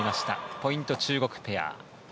ポイント、中国ペア。